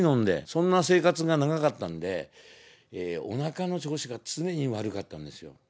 そんな生活が長かったんで、おなかの調子が常に悪かったんですよ。